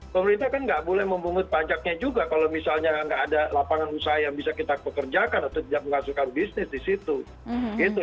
pemerintah kan nggak boleh memungut pajaknya juga kalau misalnya nggak ada lapangan usaha yang bisa kita pekerjakan atau tidak menghasilkan bisnis di situ